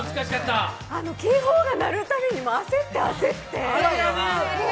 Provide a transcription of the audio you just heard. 警報が鳴るたびに焦って焦って。